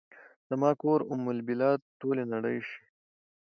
زما کور ام البلاد ، ټولې نړۍ شي